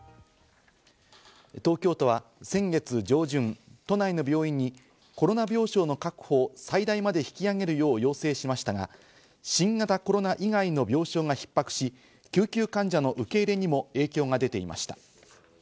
東京都は先月上旬、都内の病院にコロナ病床の確保を最大まで引き上げるよう要請しましたが、新型コロナ以外の病床が逼迫し、救急患者の受け入れにも影響が出ていました。